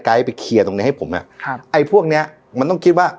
ไปเคลียร์ตรงนี้ให้ผมอ่ะครับไอ้พวกเนี้ยมันต้องคิดว่า